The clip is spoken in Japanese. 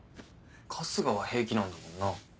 春日は平気なんだもんな。